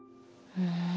うん。